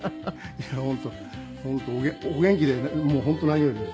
いや本当お元気でもう本当何よりです。